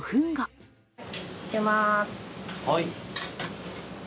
はい。